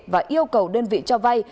và yêu cầu đơn vị cho vai